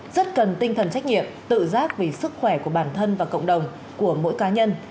rất cần tinh thần trách nhiệm tự giác vì sức khỏe của bản thân và cộng đồng của mỗi cá nhân